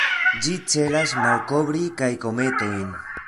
Ĝi celas malkovri kaj kometojn.